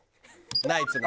ナイツの。